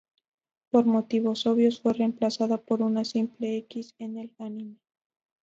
Por motivo obvios, fue reemplazada por una simple equis en el anime.